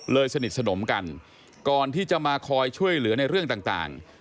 สนิทสนมกันก่อนที่จะมาคอยช่วยเหลือในเรื่องต่าง